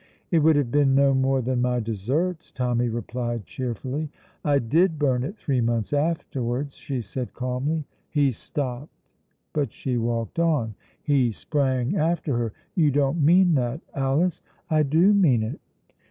"It would have been no more than my deserts," Tommy replied cheerfully. "I did burn it three months afterwards," said she, calmly. He stopped, but she walked on. He sprang after her. "You don't mean that, Alice!" "I do mean it."